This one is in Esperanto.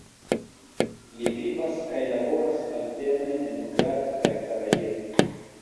Li vivas kaj laboras alterne en Graz kaj Sarajevo.